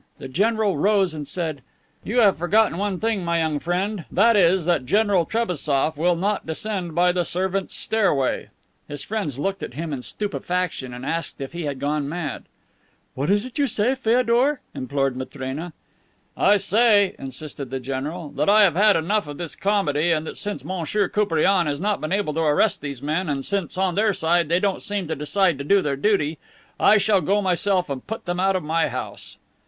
The general rose and said, "You have forgotten one thing, my young friend; that is that General Trebassof will not descend by the servants' stairway." His friends looked at him in stupefaction, and asked if he had gone mad. "What is this you say, Feodor?" implored Matrena. "I say," insisted the general, "that I have had enough of this comedy, and that since Monsieur Koupriane has not been able to arrest these men, and since, on their side, they don't seem to decide to do their duty, I shall go myself and put them out of my house."